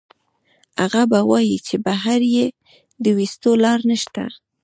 هغه به وائي چې بهر ئې د ويستو لار نشته